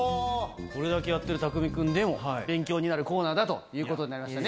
これだけやってる匠海君でも勉強になるコーナーだということになりましたね。